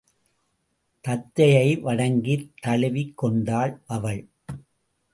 தத்தையை வணங்கித் தழுவிக் கொண்டாள் அவள்.